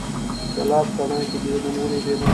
د لاس تڼاکې دې نن ولیدې ما